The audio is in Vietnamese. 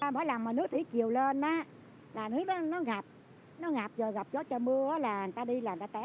mỗi lần mà nước thì chiều lên á là nước đó nó ngập nó ngập rồi gặp gió cho mưa là người ta đi là người ta té